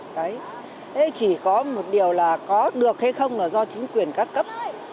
đấy chỉ có một điều là có được hay không là do chính quyền các cấp